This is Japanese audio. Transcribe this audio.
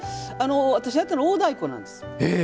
私やったのは大太鼓なんです。